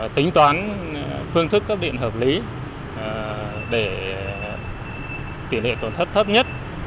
tính toán phương thức cấp điện hợp lý để tỷ lệ tổn thất thấp nhất